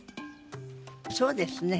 そうですね。